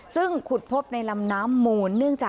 ซึ่งขุดพบในลำน้ำมูล